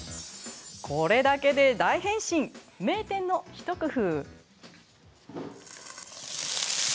これだけで大変身、名店の一工夫。